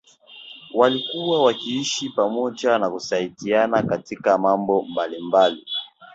Walikuwa wakiishi pamoja na kusaidiana katika mambo mbalimbali